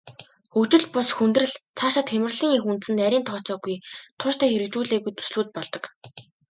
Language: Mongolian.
Хөгжил бус хүндрэл, цаашлаад хямралын эх үндэс нь нарийн тооцоогүй, тууштай хэрэгжүүлээгүй төслүүд болдог.